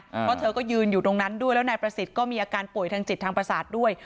เพราะเธอก็ยืนอยู่ตรงนั้นด้วยแล้วนายประสิทธิ์ก็มีอาการป่วยทางจิตทางประสาทด้วย